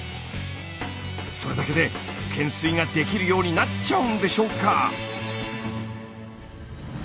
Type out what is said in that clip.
それだけで懸垂ができるようになっちゃうんでしょうか？